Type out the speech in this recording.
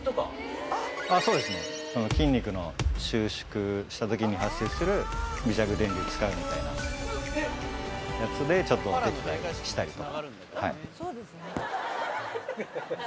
筋肉の収縮したときに発生する微弱電流使うみたいなやつでちょっとお手伝いしたりとか。